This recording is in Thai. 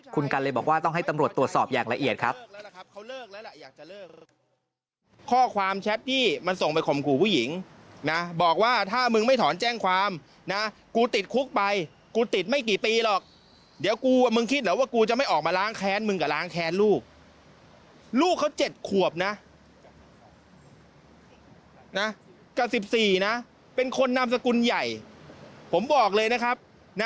คุณกันเลยบอกว่าต้องให้ตำรวจตรวจสอบอย่างละเอียดครับ